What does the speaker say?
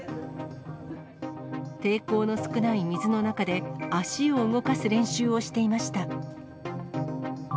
抵抗の少ない水の中で、脚を動かす練習をしていました。